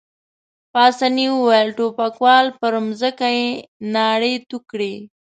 پاسیني وویل: ټوپکوال، پر مځکه يې ناړې تو کړې.